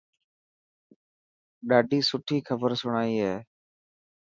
ڏاڌي سٺي کبر سڻائي هي.